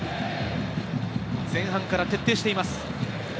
前半から徹底しています。